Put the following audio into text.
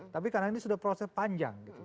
tapi karena ini sudah proses panjang gitu